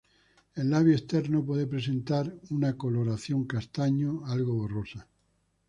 El labio externo puede presentar una coloración castaño algo borrosa.